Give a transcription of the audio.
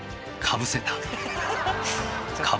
かぶせた。